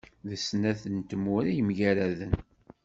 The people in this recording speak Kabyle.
Deg snat n tmura yemgaraden.